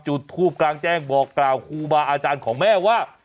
จุดทูปกลางแจ้งบอกกล่าวครูบาอาจารย์ของแม่ว่า